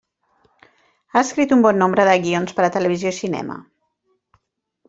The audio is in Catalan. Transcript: Ha escrit un bon nombre de guions per a televisió i cinema.